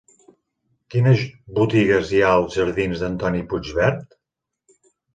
Quines botigues hi ha als jardins d'Antoni Puigvert?